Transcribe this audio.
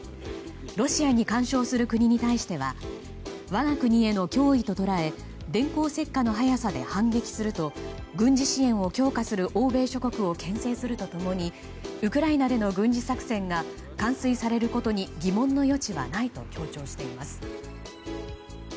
ロシアに干渉する国に対しては我が国への脅威と捉え電光石火の速さで反撃すると軍事支援を強化する欧米諸国を牽制すると共にウクライナでの軍事作戦が完遂されることに疑問の余地はないと強調しています。